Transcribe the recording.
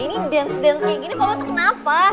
ini dance dance kayak gini papa tuh kenapa